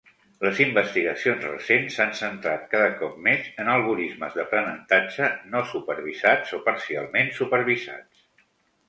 Les investigacions recents s'han centrat cada cop més en algorismes d'aprenentatge no supervisats o parcialment supervisats.